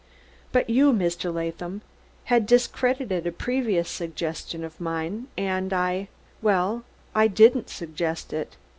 But you, Mr. Latham, had discredited a previous suggestion of mine, and I I well, I didn't suggest it.